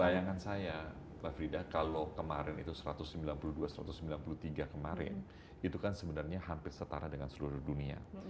bayangan saya mbak frida kalau kemarin itu satu ratus sembilan puluh dua satu ratus sembilan puluh tiga kemarin itu kan sebenarnya hampir setara dengan seluruh dunia